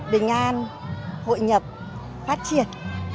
bình an hội nhập phát triển